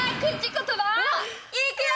いくよ！